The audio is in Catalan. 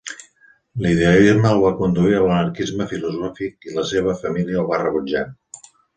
L'idealisme el va conduir a l'anarquisme filosòfic i la seva família el va rebutjar.